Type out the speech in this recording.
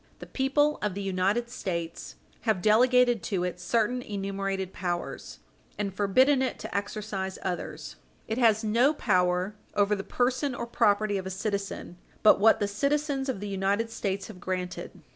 The people of the United States have delegated to it certain enumerated powers and forbidden it to exercise others. It has no power over the person or property of a citizen but what the citizens of the United States have granted.